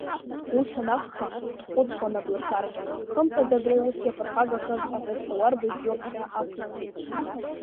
Ус анакәха, дхәыцуан Абласаркьа, хымԥада абри аус иаԥырхагахаз Аҳәасҭауарбажә иоуп ҳәа ақәиҵеит.